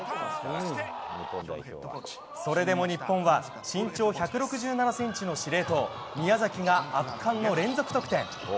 それでも日本は身長１６７ｃｍの司令塔宮崎が圧巻の連続得点。